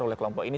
oleh kelompok ini